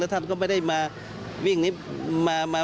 แล้วท่านก็ไม่ได้มาวิ่งที่นี่นะครับ